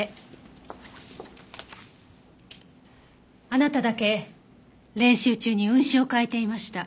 あなただけ練習中に運指を変えていました。